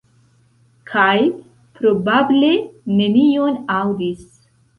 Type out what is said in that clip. Kaj, probable, nenion aŭdis.